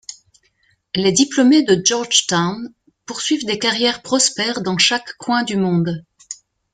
Les diplômés de Georgetown poursuivent des carrières prospères dans chaque coin du monde.